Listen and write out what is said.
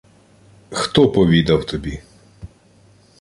— Хто повідав тобі?